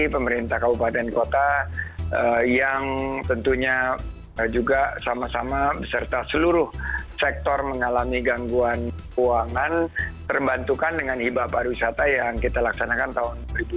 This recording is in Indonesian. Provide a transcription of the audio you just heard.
pemerintah kabupaten kota yang tentunya juga sama sama beserta seluruh sektor mengalami gangguan keuangan terbantukan dengan hibah pariwisata yang kita laksanakan tahun dua ribu dua puluh